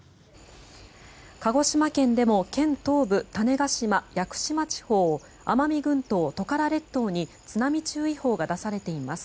鹿児島県でも県東部、種子島・屋久島地方奄美群島・トカラ列島に津波注意報が出されています。